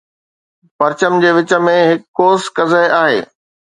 پرچم جي وچ ۾ هڪ قوس قزح آهي